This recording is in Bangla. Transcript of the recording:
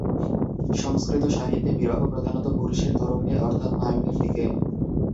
সংস্কৃত সাহিত্যে বিরহ প্রধানত পুরুষের তরফে অর্থাৎ নায়কের দিকে।